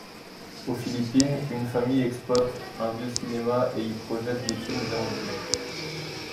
Aux Philippines, une famille exploite un vieux cinéma et y projette des films érotiques.